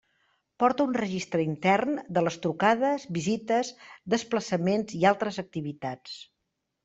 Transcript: Porta un registre intern de les trucades, visites, desplaçaments i altres activitats.